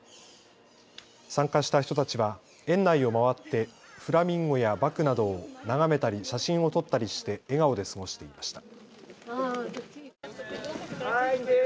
参加した人たちは園内を回ってフラミンゴやバクなどを眺めたり写真を撮ったりして笑顔で過ごしていました。